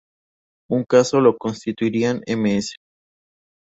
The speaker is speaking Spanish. Un caso lo constituirían Ms.